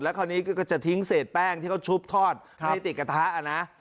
คราวนี้ก็จะทิ้งเศษแป้งที่เขาชุบทอดไม่ได้ติดกระทะนะ